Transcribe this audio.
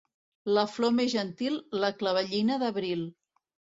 La flor més gentil, la clavellina d'abril.